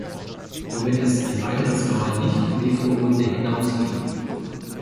Womit es ein weiteres Mal nicht über die Vorrunde hinaus ging.